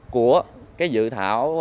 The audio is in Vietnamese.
của cái dự thảo